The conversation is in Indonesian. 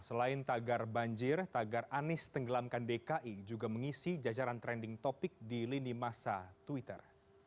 selain tagar banjir tagar anies tenggelamkan dki juga mengisi jajaran trending topic di lini masa twitter